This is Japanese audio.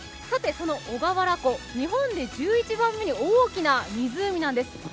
その小川原湖、日本で１１番目に大きな湖なんです。